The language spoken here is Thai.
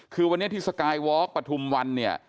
คือวันนี้ที่สกายวอล์กปฐุมวันเนี่ย